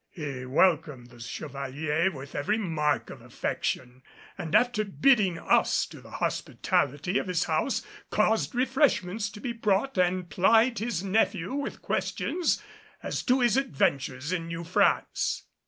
He welcomed the Chevalier with every mark of affection, and after bidding us to the hospitality of his house, caused refreshments to be brought and plied his nephew with questions as to his adventures in New France.